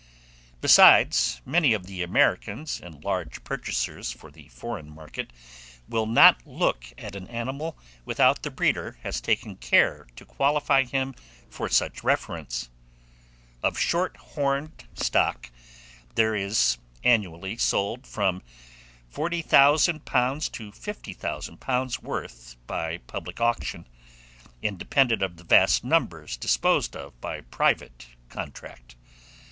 Besides, many of the Americans, and large purchasers for the foreign market, will not look at an animal without the breeder has taken care to qualify him for such reference. Of short horned stock, there is annually sold from £40,000 to £50,000 worth by public auction, independent of the vast numbers disposed of by private contract.